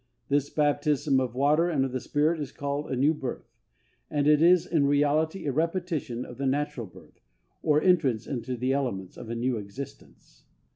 This baptism of water and of the Spirit is called a new birth; and it is in reality a repetition of the natural birth, or entrance into the elements of a new existence.